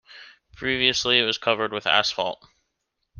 Previously, it was covered with asphalt.